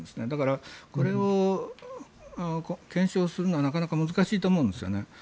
だから、これを検証するのはなかなか難しいと思うんですよね。